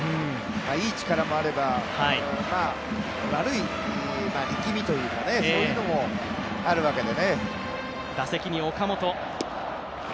いい力もあれば、悪い力みというかそういうのもあるわけで。